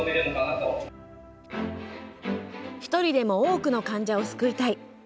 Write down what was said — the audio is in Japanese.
１人でも多くの患者を救いたい。